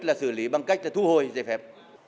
là xử lý bằng cách thu hồi giải pháp